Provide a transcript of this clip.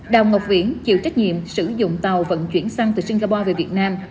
đào ngọc viễn chịu trách nhiệm sử dụng tàu vận chuyển xăng từ singapore về việt nam